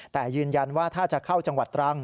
แต่ยืนยันว่าถ้าจะเข้าจังหวัดตรัง